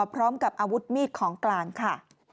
พร้อมกับอาวุธมีดของกลางค่ะ